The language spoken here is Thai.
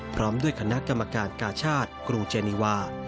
พร้อมด้วยคณะกรรมการกาชาติกรุงเจนีวา